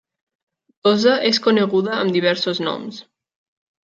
Dosa és coneguda amb diversos noms.